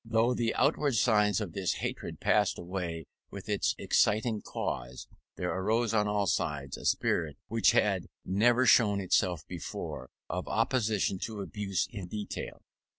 Though the outward signs of this hatred passed away with its exciting cause, there arose on all sides a spirit which had never shown itself before, of opposition to abuses in detail.